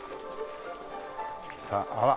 さあほら。